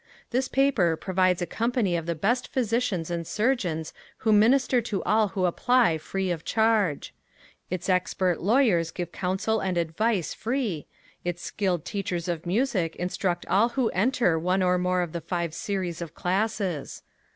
This paper provides a company of the best physicians and surgeons who minister to all who apply free of charge. Its expert lawyers give council and advice free, its skilled teachers of music instruct all who enter one or more of the five series of classes.